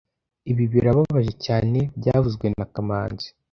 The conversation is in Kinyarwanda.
Ibi birababaje cyane byavuzwe na kamanzi